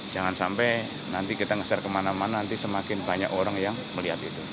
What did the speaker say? jangan sampai nanti kita nge share kemana mana nanti semakin banyak orang yang melihat itu